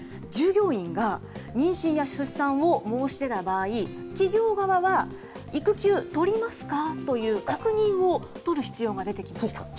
従業員が、妊娠や出産を申し出た場合、企業側は育休取りますかという確認を取る必要が出てきました。